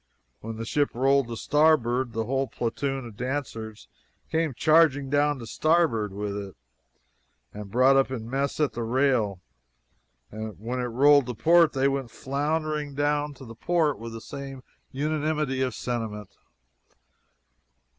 When the ship rolled to starboard the whole platoon of dancers came charging down to starboard with it, and brought up in mass at the rail; and when it rolled to port they went floundering down to port with the same unanimity of sentiment.